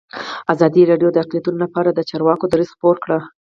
ازادي راډیو د اقلیتونه لپاره د چارواکو دریځ خپور کړی.